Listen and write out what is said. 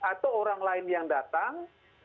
atau orang lain yang datang